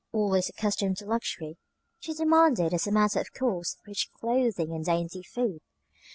Always accustomed to luxury, she demanded as a matter of course rich clothing and dainty food.